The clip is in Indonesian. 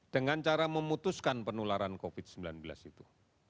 dengan cara memutuskan penularan covid sembilan belas itu